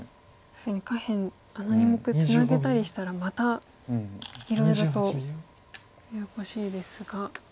確かに下辺あの２目ツナげたりしたらまたいろいろとややこしいですが。